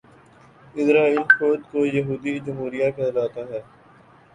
اسرائیل خود کو یہودی جمہوریہ کہلاتا ہے